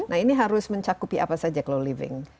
nah ini harus mencakupi apa saja kalau living